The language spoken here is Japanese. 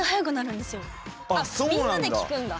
みんなで聞くんだ！